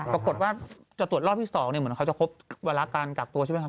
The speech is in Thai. ปรากฏว่าจะตรวจรอบที่๒เหมือนเขาจะครบวาระการกักตัวใช่ไหมครับ